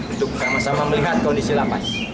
untuk sama sama melihat kondisi lapas